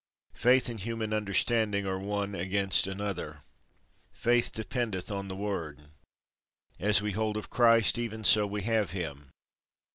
Faith and human understanding are one against another. Faith dependeth on the Word. As we hold of Christ, even so we have him.